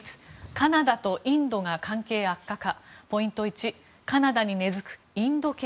カナダとインドが関係悪化か。